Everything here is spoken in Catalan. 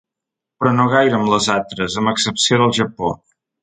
Però no gaire amb les altres, amb excepció del Japó.